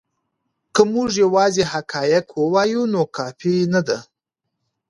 که موږ یوازې حقایق ووایو نو کافی نه دی.